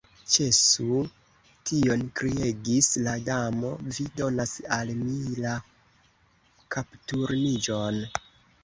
"Ĉesu tion," kriegis la Damo, "vi donas al mi la kapturniĝon!"